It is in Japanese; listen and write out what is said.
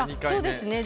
そうですね。